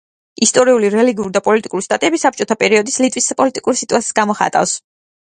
ისტორიული, რელიგიური და პოლიტიკური სტატიები საბჭოთა პერიოდის ლიტვის პოლიტიკურ სიტუაციას გამოხატავს.